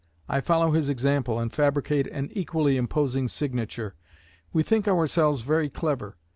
I follow his example, and fabricate an equally imposing signature. We think ourselves very clever.